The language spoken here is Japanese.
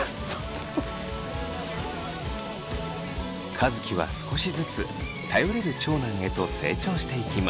和樹は少しずつ頼れる長男へと成長していきます。